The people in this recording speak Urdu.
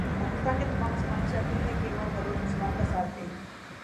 پاکستان کے تمام مسلمانوں سے اپیل ھے کہ وہ بلوچ مسلمان کا ساتھ دیں۔